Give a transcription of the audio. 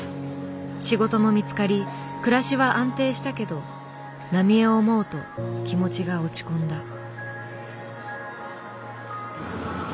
仕事も見つかり暮らしは安定したけど浪江を思うと気持ちが落ち込んだ。